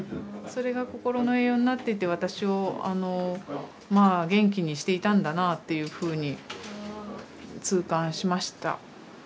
それがこころの栄養になってて私をあのまあ元気にしていたんだなぁっていうふうに痛感しました。